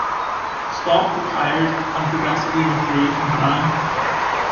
Spot "retired" and progressively withdrew from crime.